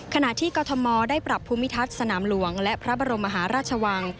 ขณะที่กรทมได้ปรับผู้มิทรรษนำหลวงและพระบอรมหาราชวัง